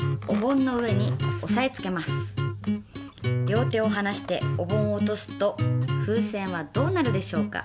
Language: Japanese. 両手をはなしてお盆を落とすと風船はどうなるでしょうか？